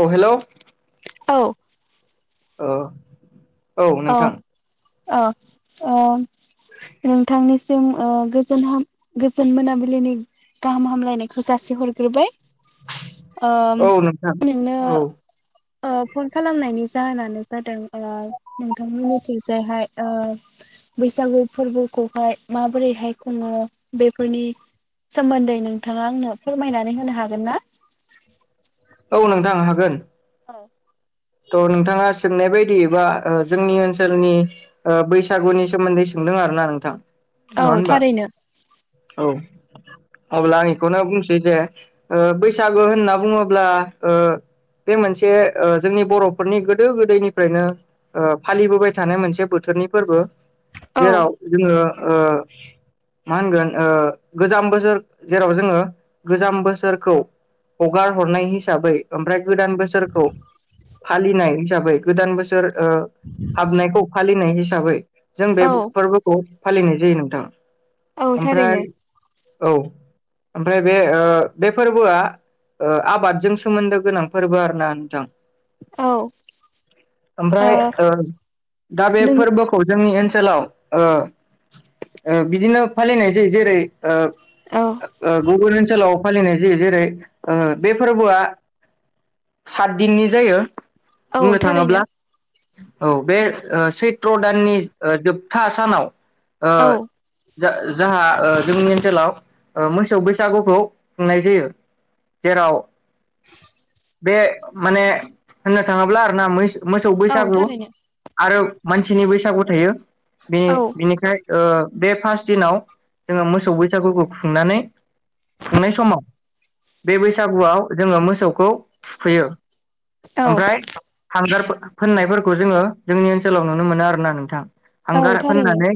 औ हेलौ [inaudible] औ ओ औ नोंथां। अ ओ नोंथांनिसिम ओ गोजोन हाम गोजोन मोनाबिलिनि गाहाम हामलायनायखौ जासिहरग्रोबाय। ओम औ नोंथां औ। औ फन खालामनायनि जाहोनानो जादों ओ नोंथांमोननिथिंजायहाय ओ बैसागु फोरबोखौहाय माबोरैहाय खुङो बेफोरनि सोमोन्दै नोंथाङा आंनो फोरमायनानै होनो हागोन ना? औ नोंथां हागोन। औ थ' नोंथाङा सोंनाय बायदियैबा ओ जोंनि ओनसोलनि ओ बैसागुनि सोमोन्दै सोंदों आरो ना नोंथां? औ नङा होनबा? थारैनो औ। अब्ला आं बेखौनो बुंसै जे ओ बैसागो होनना बुङोब्ला ओ बे मोनसे ओ जोंनि बर'फोरनि गोदो गोदैनिफ्रायनो ओ फालिबोबाय थानाय मोनसे बोथोरनि फोरबो। औ जेराव जोङो ओ मा होनगोन ओ गोजाम बोसोर जेराव जोङो गोजाम बोसोरखौ हगार हरनाय हिसाबै ओमफ्राय गोदान बोसोरखौ फालिनाय हिसाबै गोदान बोसोर ओ हाबनायखौ फालिनाय हिसाबै जों बे औ फोरबोखौ फालिनाय जायो नोंथां। औ ओमफ्राय थारैनो औ ओमफ्राय बे ओ बे फोरबोआ ओ आबादजों सोमोन्दो गोनां फोरबो आरो ना नोंथां। औ ओमफ्राय ओ दा बे नों फोरबोखौ जोंनि ओन सोलाव ओ ओ बिदिनो फालिनाय जायो। जेरै ओ औ ओ गुबुन ओनसोलाव फालिनाय जायो। जेरै ओ बे फोरबोआ सात दिननि जायो। औ बुंनो थारैनो। थाङोब्ला औ बे ओ सैत्र दाननि ओ जोबथा सानाव ओ औ जा जाहा ओ जोंनि ओनसोलाव ओ मोसौ बैसागुखौ खुंनाय जायो जेराव [inaudible] बे माने होननो थाङोब्ला आरो ना मै मोसौ औ बैसागु थारैनो आरो मानसिनि बैसागु थायो औ बे-बेनिखाय ओ बे फास्ट दिनाव जोङो मोसौ बैसागुखौ खुंनानै खुंनाय समाव बे बैसागुआव जोङो मोसौखौ थुखैयो औ । ओमफ्राय हांगारफोर फोननायफोरखौ जोङो जोंनि ओनसोलाव नुनो मोनो आरोना नोंथां । औ हांगार थारैनो फोननानै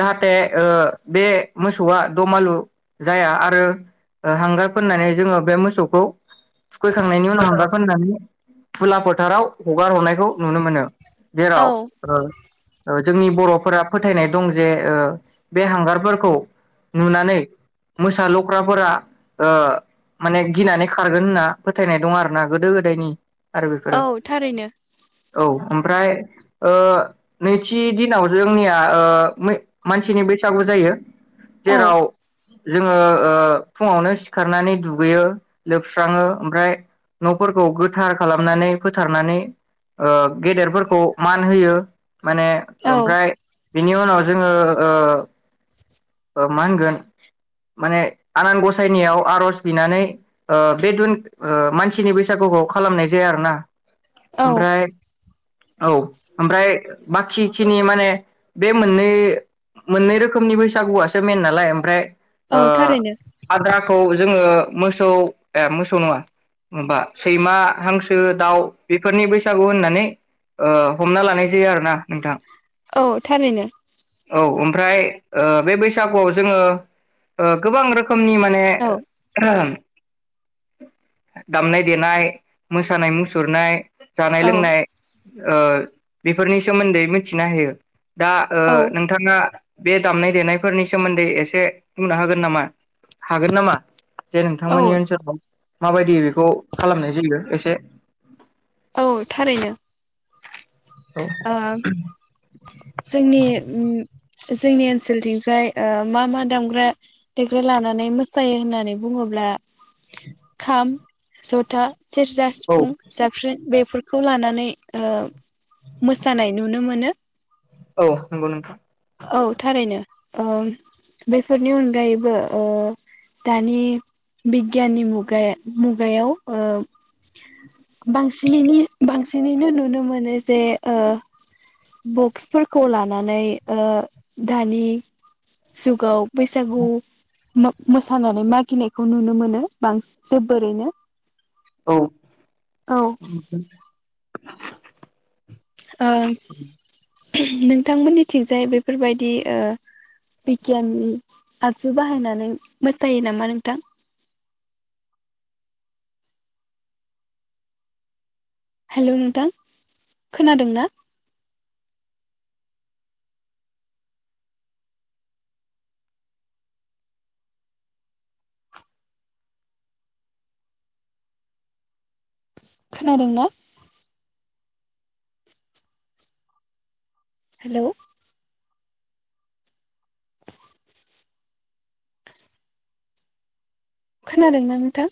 जाहा थे ओ बे मोसौआ दमालु जाया आरो ओ हांगार फोननानै जोङो बे मोसौखौ थुखैखांनायनि उनाव हांगार फोननानै खुला फोथाराव हगार हरनायखौ नुनो मोनो । जेराव औ ओ ओ जोंनि बर'फोरा फोथायनाय दं जे ओ बे हांगारफोरखौ नुनानै मोसा लख्राफोरा ओ माने गिनानै खारगोन होनना फोथायनाय दं आरोना गोदो गोदायनि आरो औ बेफोरो थारैनो औ । ओमफ्राय ओ नैथि दिनाव जोंनिया ओ मै मानसिनि बैसागु जायो । औ जेराव जोङो ओ फुङावनो सिखारनानै दुगैयो लोबस्राङो ओमफ्राय न'फोरखौ गो थार खालामनानै फोथारनानै ओ गेदेरफोरखौ मान होयो । माने औ ओमफ्राय बिनि उनाव जोङो ओ ओ मा होनगोन माने आनान गसाइनियाव आर'ज बिनानै ओ बे दिन ओ मानसिनि बैसागुखौ खालामनाय जायो आरो ना । औ ओमफ्राय औ ओमफ्राय बाखिखिनि माने बे मोननै मोननै रोखोमनि बैसागुआसो मेन नालाय ओमफ्राय औ ओ थारैनो आद्राखौ जोङो मोसौ ए मोसौ नङा माबा सैमा हांसो दाउ बेफोरनि बैसागु होननानै हमना लानाय जायो आरोना नोंथां औ थारैनो। औ ओमफ्राय बे बैसागुआव जोङो गोबां रोख खोमनि माने औ दामनाय देनाय मोसानाय मुसुरनाय जानाय औ लोंनाय ओ बेफोरनि सोमोन्दै मिथिना होयो दा ओ औ नोंथाङा बे दामनाय देनायफोरनि सोमोन्दै एसे बुंना हागोन नामा हागोन नामा जदे औ नोंथांमोननि ओनसोलाव माबायदि बे खौ खालामनाय जायो। एसे औ थारैनो ओ जोंनि जोंनि ओनसोलथिंजाय ओ मा मा दामग्रा देग्रा लानानै मोसायो होननानै बुङोब्ला खाम जथा सेरजा औ सिफुं जाबस्रि खौ लानानै ओ मोसानाय नुनो मोनो औ नंगौ नोंथां औ थारैनो ओ बेफोरनि अनगायैबो दानि बिगियाननि मुगा मुगायाव ओ बांसिनै बांसिनैनो नुनो मोनो जे ओ बक्सफोरखौ लानानै ओ दानि जुगाव बैसागु मोसानानै मागिनायखौ नुनो मोनो बांसिन जोबोरैनो औ औ उम ओ नोंथांमोननिथिंजाय बेफोरबायदि बिगियान आगजु बाहायनानै मोसायो नामा नोंथां हेलौ नोंथां खोनादों ना? खोनादोंना? हेलौ [inaudible] खोनादोंना नोंथां?